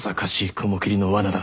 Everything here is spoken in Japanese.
雲霧の罠だ。